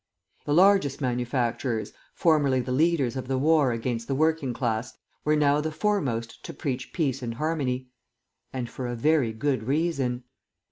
The largest manufacturers, formerly the leaders of the war against the working class, were now the foremost to preach peace and harmony. And for a very good reason.